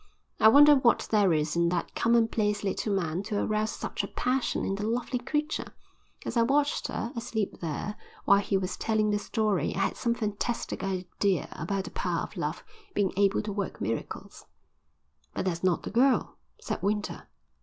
I wonder what there is in that commonplace little man to arouse such a passion in that lovely creature. As I watched her, asleep there, while he was telling the story I had some fantastic idea about the power of love being able to work miracles." "But that's not the girl," said Winter.